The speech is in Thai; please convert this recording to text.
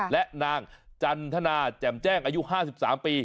และนางจันทนาแจ่มแจ้งอายุ๕๓ปี